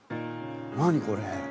何これ？